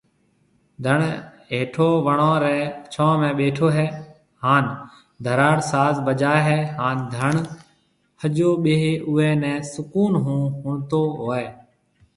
ڌڻ هيٺو وڻون رِي ڇون ۾ ٻيٺو هي هان ڌراڙ ساز بجاوي هي هان ڌڻ ۿجو ٻيۿي اوئي ني سُڪون ۿوڻ ۿڻتو هوئي